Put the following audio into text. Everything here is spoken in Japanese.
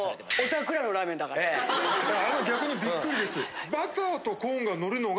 逆にびっくりです。